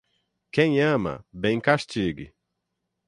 Quem ama, bem castigue.